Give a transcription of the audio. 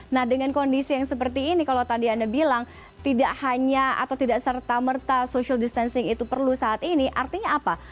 nah dengan kondisi yang seperti ini kalau tadi anda bilang tidak hanya atau tidak serta merta social distancing itu perlu saat ini artinya apa